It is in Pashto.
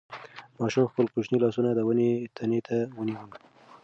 ماشوم خپل کوچني لاسونه د ونې تنې ته ونیول.